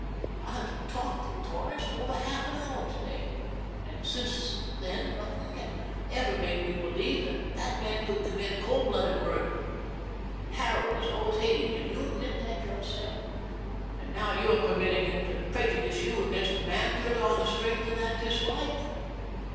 "I have talked with Torrance for over half an hour to day, and since then nothing can ever make me believe that that man could commit a cold blooded murder. Harold has always hated him you admit that yourself and now you are permitting him to prejudice you against the man purely on the strength of that dislike.